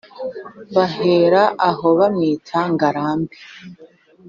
Bahera aho bamwita ngarambe